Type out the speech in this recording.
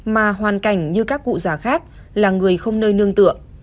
mà hoàn cảnh như các cụ già khác là người không nơi nương tựa